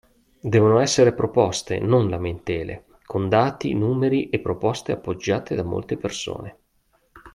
Devono essere proposte, non lamentele, con dati numeri e proposte appoggiate da molte persone!